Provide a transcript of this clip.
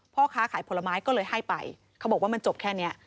พ่อค้าขายผลไม้ก็เลยให้ไปเขาบอกว่ามันจบแค่นี้